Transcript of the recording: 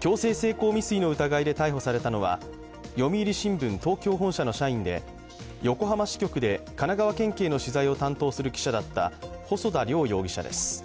強制性交未遂の疑いで逮捕されたのは読売新聞東京本社の社員で横浜支局で神奈川県警の取材を担当する記者だった細田凌容疑者です。